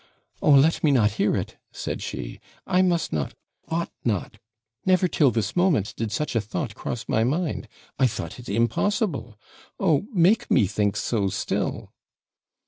'Oh, let me not hear it!' said she; 'I must not ought not. Never, till this moment, did such a thought cross my mind I thought it impossible oh, make me think so still.'